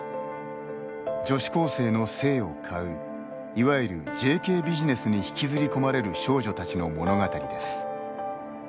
女子高生の性を買う、いわゆるＪＫビジネスに引きずり込まれる少女たちの物語です。